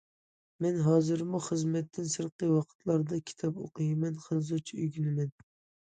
مەن ھازىرمۇ خىزمەتتىن سىرتقى ۋاقىتلاردا كىتاب ئوقۇيمەن، خەنزۇچە ئۆگىنىمەن.